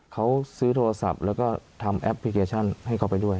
เขาซื้อโทรศัพท์แล้วก็ทำแอปพลิเคชันให้เขาไปด้วย